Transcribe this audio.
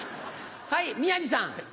はい宮治さん。